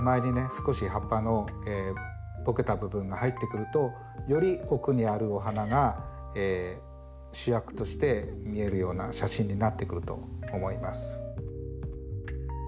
少し葉っぱのぼけた部分が入ってくるとより奥にあるお花が主役として見えるような写真になってくると思います。